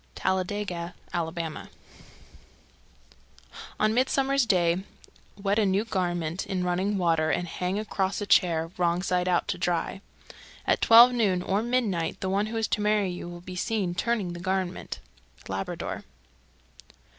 Talladega, Ala. 325. On Midsummer's Day wet a new garment in running water and hang across a chair, wrong side out, to dry. At twelve noon or midnight the one who is to marry you will be seen turning the garment. _Labrador.